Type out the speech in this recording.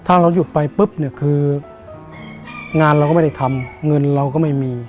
ถ้าเราหยุดไปปุ๊บเนี่ยคืองานเราก็ไม่ได้ทำเงินเราก็ไม่มี